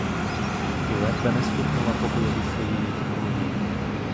І ледве не стукнула по голові своєю зброєю.